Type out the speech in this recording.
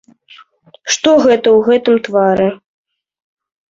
Што гэта ў гэтым твары?